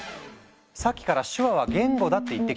さっきから「手話は言語だ」って言ってきたけど